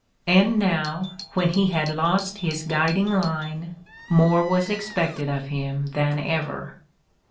And now, when he had lost his guiding line, more was expected of him than ever!